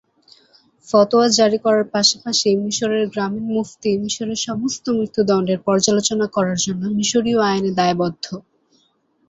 ফতোয়া জারি করার পাশাপাশি মিশরের গ্রামীণ মুফতী মিশরে সমস্ত মৃত্যুদণ্ডের পর্যালোচনা করার জন্য মিশরীয় আইনে দায়বদ্ধ।